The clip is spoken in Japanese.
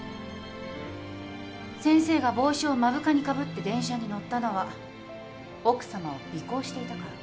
先生が帽子を目深にかぶって電車に乗ったのは奥さまを尾行していたから。